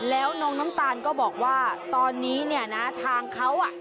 แล้วน้องน้ำตาลก็บอกว่าตอนนี้ทางเขา